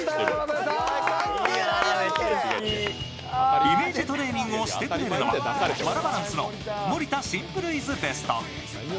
イメージトレーニングをしてくれるのは、ワラバランスの盛田シンプルイズベスト。